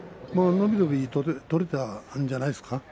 伸び伸び取れていたんじゃないですか。